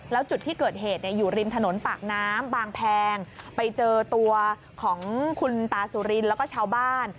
แล้วจุดที่เกิดเหตุอยู่ริมถนนปากน้ำบางแพงไปเจอตัวของคุณตาสุรินแล้วก็ชาวบ้าน